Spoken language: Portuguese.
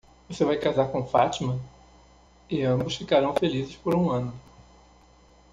Você vai casar com Fatima? e ambos ficarão felizes por um ano.